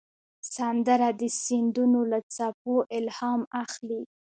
سندره د سیندونو له څپو الهام اخلي